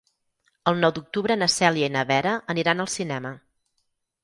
El nou d'octubre na Cèlia i na Vera aniran al cinema.